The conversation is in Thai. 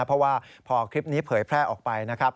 เพราะว่าพอคลิปนี้เผยแพร่ออกไปนะครับ